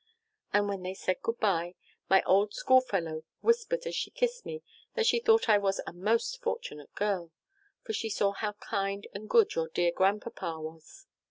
And when they said good bye, my old school fellow whispered as she kissed me, that she thought I was a most fortunate girl. For she saw how kind and good your dear Grandpapa was.